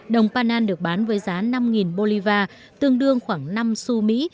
đồng pan được bán với giá năm bolivar tương đương khoảng năm su mỹ